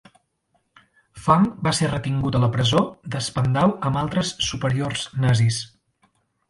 Funk va ser retingut a la presó de Spandau amb altres superiors nazis.